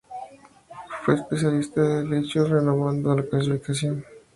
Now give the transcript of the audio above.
Fue especialista de helechos, renovando la clasificación.